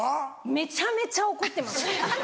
めちゃめちゃ怒ってます